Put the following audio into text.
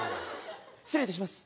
失礼いたします！